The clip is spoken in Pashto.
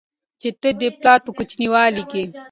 چې ته دې پلار په کوچينوالي کې